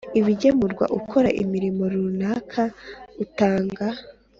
Ibigemurwa ukora imirimo runaka utanga